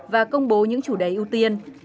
và công bố những chủ đề ưu tiên